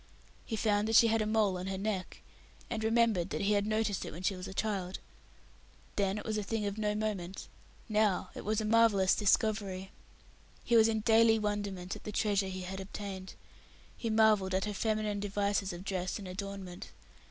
He found that she had a mole on her neck, and remembered that he had noticed it when she was a child. Then it was a thing of no moment, now it was a marvellous discovery. He was in daily wonderment at the treasure he had obtained. He marvelled at her feminine devices of dress and adornment.